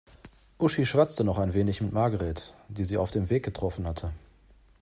Uschi schwatzte noch ein wenig mit Margret, die sie auf dem Weg getroffen hatte.